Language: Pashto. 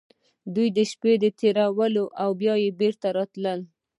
دوې شپې يې تېرولې او بيا بېرته راته.